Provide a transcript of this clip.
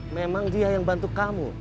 memang dia yang bantu kamu